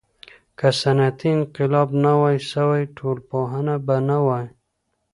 که صنعتي انقلاب نه وای سوی، ټولنپوهنه به نه وای.